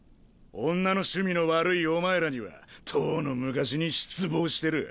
女の趣味の悪いお前らにはとうの昔に失望してる。